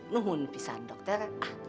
nuhun pisan dokter